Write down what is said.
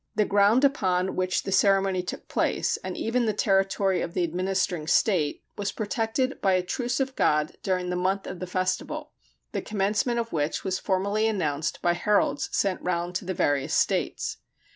The ground upon which the ceremony took place, and even the territory of the administering state, was protected by a "Truce of God" during the month of the festival, the commencement of which was formally announced by heralds sent round to the different states.